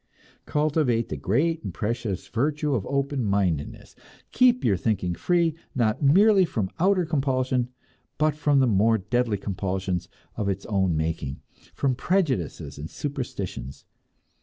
Cultivate the great and precious virtue of open mindedness. Keep your thinking free, not merely from outer compulsions, but from the more deadly compulsions of its own making from prejudices and superstitions.